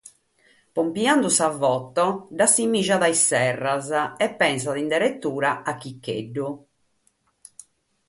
Pompiende sa foto dd’assimìgiat a is Serras e pensat in deretura a Chicheddu.